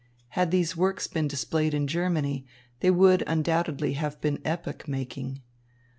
Had these works been displayed in Germany, they would undoubtedly have been epoch making.